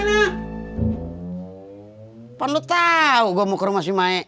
apa lu tau gue mau ke rumah si mae